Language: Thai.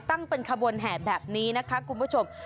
ตั้งเป็นขบวนแห่แบบนี้นะคะคุณผู้ชม